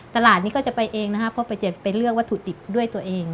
ตลาดนี้ก็จะไปเองนะครับเพราะไปเลือกวัตถุดิบด้วยตัวเอง